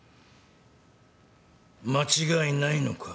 間違いないのか？